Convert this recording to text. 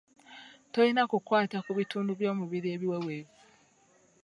Tolina kukwata ku bitundu by’omubiri ebiweweevu.